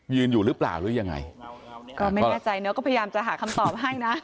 อยู่หรือเปล่าหรือยังไงก็ไม่แน่ใจเนอะก็พยายามจะหาคำตอบให้นะ